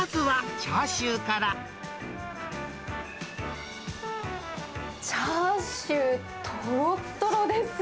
チャーシュー、とろっとろです。